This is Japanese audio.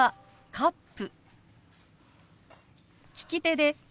「カップ」。